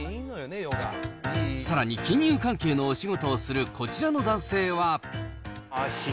さらに金融関係のお仕事をするこちらの男性は。